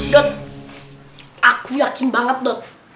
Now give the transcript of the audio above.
dot aku yakin banget dot